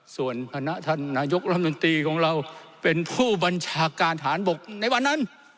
ส่วนธนทรรยกรมนตรีเป็นผู้บัญชาการฐานบกในวันนั้น